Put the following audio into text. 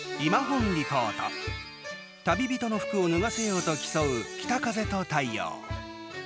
旅人の服を脱がせようと競う「北風と太陽」。